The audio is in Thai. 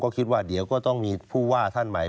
ก็คิดว่าเดี๋ยวก็ต้องมีผู้ว่าท่านใหม่